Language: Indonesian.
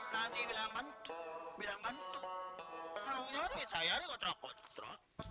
nanti bilang bantu bilang bantu kalau nyari saya nyari kotro kotro